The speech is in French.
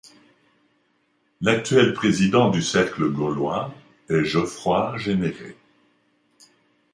L'actuel président du Cercle Gaulois est Geoffroy Generet.